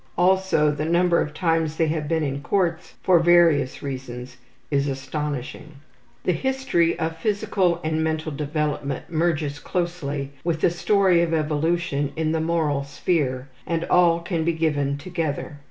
Also the number of times they have been in courts for various reasons is astonishing. The history of physical and mental development merges closely with the story of evolution in the moral sphere, and all can be given together.